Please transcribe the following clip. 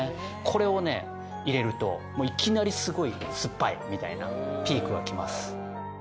これをね入れるといきなりすごい酸っぱいみたいなピークがきます